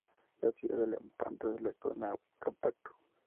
La ciudad de Lepanto es la actual Naupacto.